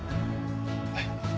はい。